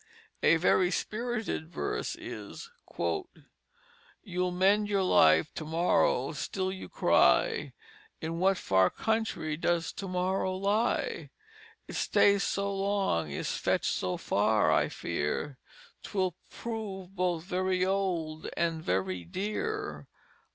A very spirited verse is: "You'll mend your life to morrow still you cry. In what far Country does To morrow lie? It stays so long, is fetch'd so far, I fear 'Twill prove both very old, and very dear."